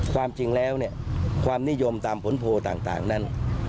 ความจริงแล้วเนี่ยความนิยมตามผลโพลต่างนั้น